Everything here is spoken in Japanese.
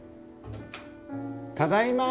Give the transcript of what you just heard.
ただいま。